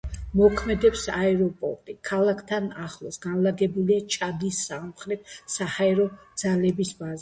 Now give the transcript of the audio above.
მოქმედებს აეროპორტი, ქალაქთან ახლოს განლაგებულია ჩადის სამხედრო-საჰაერო ძალების ბაზა.